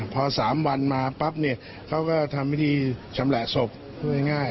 พอ๓วันมาปั๊บเนี่ยเขาก็ทำพิธีชำแหละศพพูดง่าย